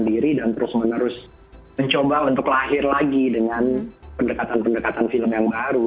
dan terus menerus mencoba untuk lahir lagi dengan pendekatan pendekatan film yang baru